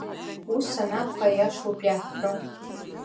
Ус анакәха, аиашоуп иаҳҳәо.